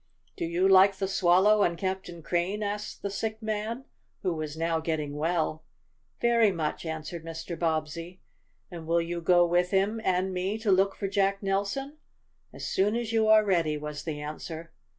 "Do you like the Swallow and Captain Crane?" asked the sick man, who was now getting well. "Very much," answered Mr. Bobbsey. "And will you go with him and me to look for Jack Nelson?" "As soon as you are ready," was the answer.